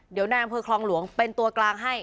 เดี๋ยวนายอำเภอคลองหลวงเป็นตัวกลางให้